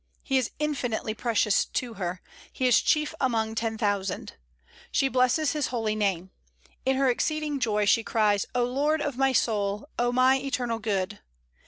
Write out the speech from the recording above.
He is infinitely precious to her, He is chief among ten thousand. She blesses His holy name. In her exceeding joy she cries, "O Lord of my soul, O my eternal Good!"